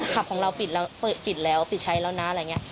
ขับของเราปิดแล้วปิดใช้แล้วนะอะไรอย่างนี้